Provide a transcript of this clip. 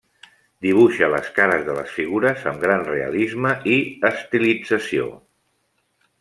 Dibuixa les cares de les figures amb gran realisme i estilització.